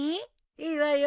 いいわよ。